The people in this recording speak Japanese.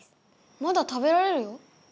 まだ食べられるよ。